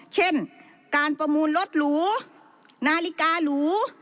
เช่นการประมูลรถหรูนาฬิกาหรู